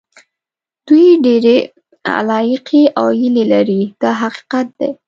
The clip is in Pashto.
دوی ډېرې علاقې او هیلې لري دا حقیقت دی.